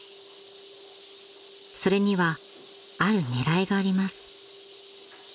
［それにはある狙いがあります］